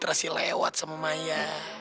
citra sih lewat sama maya